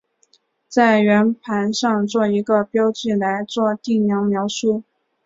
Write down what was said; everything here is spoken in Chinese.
在圆盘上做一个标记来做定量描述。